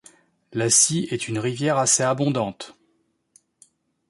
La Scie est une rivière assez abondante.